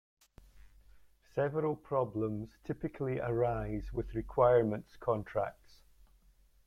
Several problems typically arise with requirements contracts.